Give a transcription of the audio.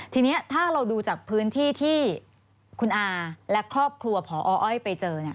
ทีนี้ถ้าเราดูจากพื้นที่ที่คุณอาและครอบครัวพออ้อยไปเจอเนี่ย